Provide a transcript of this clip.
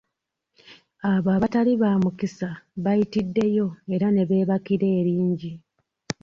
Abo abatali "ba mukisa" bayitiddeyo era ne beebakira eringi.